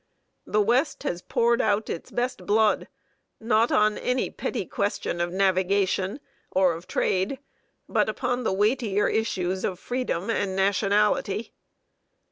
The West has poured out its best blood, not on any petty question of navigation, or of trade, but upon the weightier issues of Freedom and Nationality.